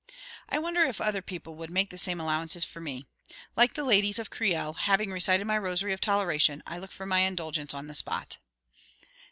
I wonder if other people would make the same allowances for me! Like the ladies of Creil, having recited my rosary of toleration, I look for my indulgence on the spot.